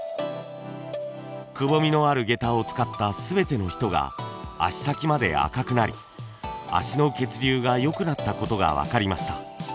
くぼみのある下駄を使った全ての人が足先まで赤くなり足の血流が良くなった事が分かりました。